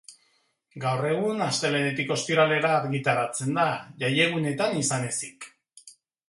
Gaur egun, astelehenetik ostiralera argitaratzen da, jaiegunetan izan ezik.